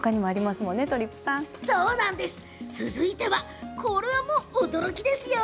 ものね続いては、これはもう驚きですよ。